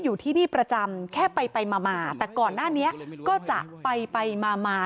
อยู่ที่นี่ประจำแค่ไปไปมามาแต่ก่อนหน้านี้ก็จะไปไปมามา